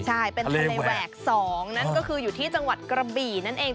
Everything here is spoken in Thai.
ใช่เป็นทะเลแหวก๒นั่นก็คืออยู่ที่จังหวัดกระบี่นั่นเอง